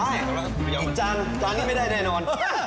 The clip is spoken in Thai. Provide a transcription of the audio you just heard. ไปอีกจานตอนนี้ไม่ได้แน่นอน